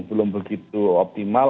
belum begitu optimal